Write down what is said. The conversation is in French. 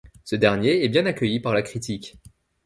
Ce dernier est bien accueilli par la critique.